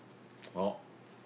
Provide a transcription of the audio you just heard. あっ。